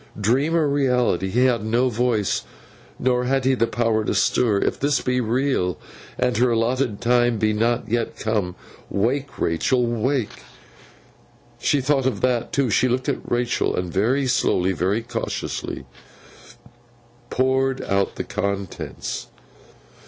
Dream or reality, he had no voice, nor had he power to stir. If this be real, and her allotted time be not yet come, wake, Rachael, wake! She thought of that, too. She looked at Rachael, and very slowly, very cautiously, poured out the contents.